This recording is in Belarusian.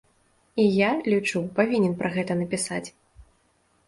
І я, лічу, павінен пра гэта напісаць.